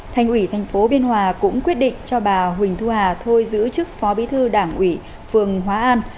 thành ủy thành phố biên hòa cũng quyết định cho bà huỳnh thu hà thôi giữ chức phó bí thư đảng ủy phường hóa an